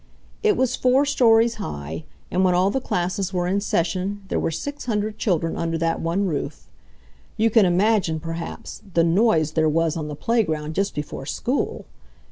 It was four stories high, and when all the classes were in session there were six hundred children under that one roof. You can imagine, perhaps, the noise there was on the playground just before school!